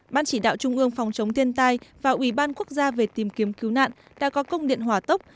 ban chỉ đạo trung ương phòng chống thiên tai và ủy ban quốc gia về tìm kiếm cứu nạn đã có công điện hỏa tốc